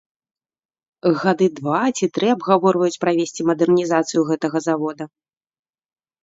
Гады два ці тры абгаворваюць правесці мадэрнізацыю гэтага завода.